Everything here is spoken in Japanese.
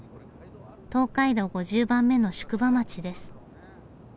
東海道５０番目の宿場町です。